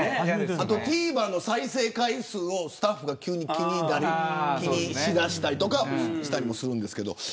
あとＴＶｅｒの再生回数をスタッフが急に気にしだしたりするんですが。